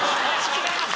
違います。